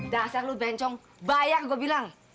dasar lu bencong bayak gua bilang